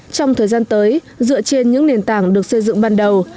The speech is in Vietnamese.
trong thời gian tới dựa trên những nền tảng được xây dựng ban đầu